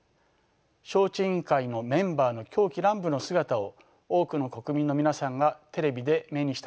招致委員会のメンバーの狂喜乱舞の姿を多くの国民の皆さんがテレビで目にしたことと思います。